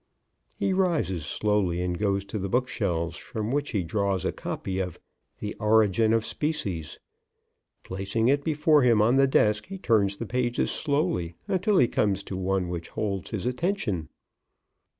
He rises slowly and goes to the book shelves, from which he draws a copy of "The Origin of Species." Placing it before him on the desk he turns the pages slowly until he comes to one which holds his attention.